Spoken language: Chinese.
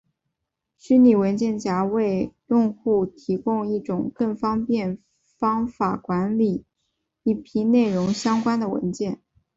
虚拟文件夹为用户提供一种更方便方法管理一批内容相关的文件。